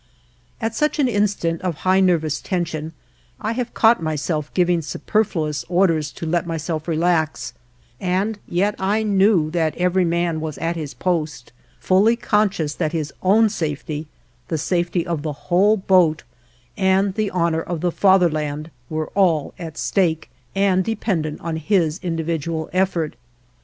At such an instant of high nervous tension, I have caught myself giving superfluous orders to let myself relax, and yet I knew that every man was at his post, fully conscious that his own safety, the safety of the whole boat, and the honor of the Fatherland were all at stake, and dependent on his individual effort.